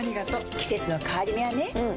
季節の変わり目はねうん。